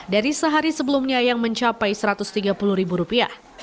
dari sehari sebelumnya yang mencapai satu ratus tiga puluh ribu rupiah